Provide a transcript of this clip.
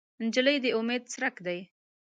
نجلۍ د امید څرک ده.